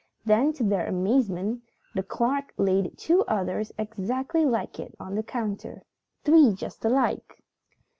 Then, to their amazement, the clerk laid two others exactly like it on the counter. Three just alike!